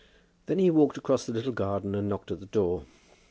Then he walked across the little garden and knocked at the door.